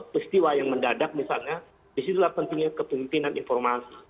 peristiwa yang mendadak misalnya di situlah pentingnya kepemimpinan informasi